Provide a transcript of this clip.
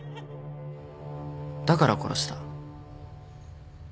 だから殺した。